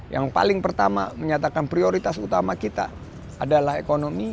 yang paling pertama menyatakan prioritas utama kita adalah ekonomi